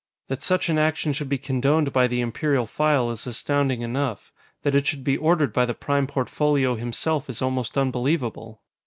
That such an action should be condoned by the Imperial File is astounding enough; that it should be ordered by the Prime Portfolio himself is almost unbelievable.